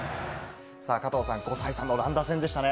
加藤さん、５対３の乱打戦でしたね。